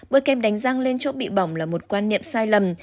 bôi kem đánh răng lên chỗ bị bỏng là một quan niệm sai lầm